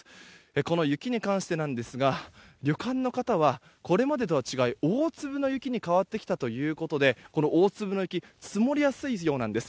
この雪に関してですが旅館の方はこれまでとは違い大粒の雪に変わってきたということでこの大粒の雪積もりやすいようなんです。